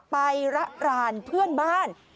ไประรานเพื่อนบ้าน